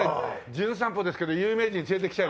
『じゅん散歩』ですけど有名人連れてきちゃいました。